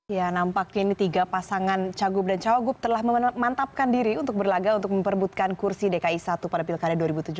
ya nampaknya ini tiga pasangan cagup dan cawagup telah memantapkan diri untuk berlaga untuk memperbutkan kursi dki satu pada pilkada dua ribu tujuh belas